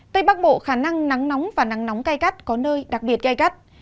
tây bắc bộ khả năng nắng nóng và nắng nóng cay cắt có nơi đặc biệt cay cắt